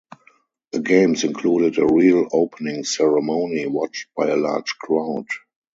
The games included a real opening ceremony, watched by a large crowd.